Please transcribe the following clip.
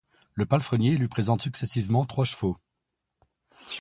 Le palefrenier lui présente successivement trois chevaux.